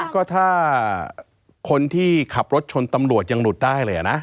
ก็ถ้าคนที่ขับรถชนตำรวจยังหลุดได้เลยนะ